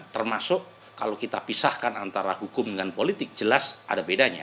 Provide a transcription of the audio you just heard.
termasuk kalau kita pisahkan antara hukum dengan politik jelas ada bedanya